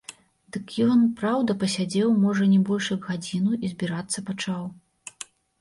Дык ён, праўда, пасядзеў можа не больш як гадзіну і збірацца пачаў.